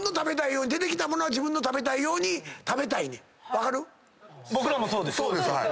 分かる？